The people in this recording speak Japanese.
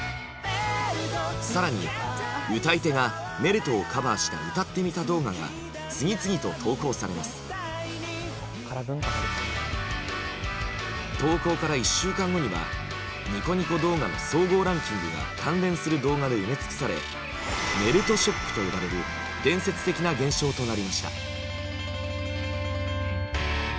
更に歌い手が「メルト」をカバーした「歌ってみた動画」が次々と投稿されます投稿から１週間後にはニコニコ動画の総合ランキングが関連する動画で埋め尽くされ「メルトショック」と呼ばれる伝説的な現象となりました。